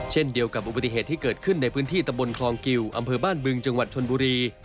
เช่นเดียวกับอุบัติเหตุที่เกิดขึ้นในพื้นที่ตะบนคลองกิวอำเภอบ้านบึงจังหวัดชนบุรี